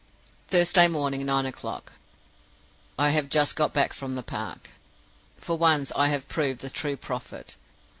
"Thursday morning, nine o'clock. I have just got back from the park. "For once I have proved a true prophet.